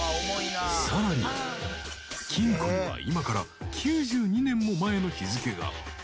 「さらに金庫には今から９２年も前の日付が」